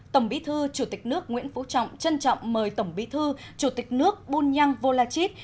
tổng bí thư chủ tịch nước nguyễn phú trọng chân trọng mời tổng bí thư chủ tịch nước bùn nhăng vô la chít